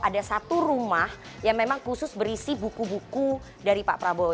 ada satu rumah yang memang khusus berisi buku buku dari pak prabowo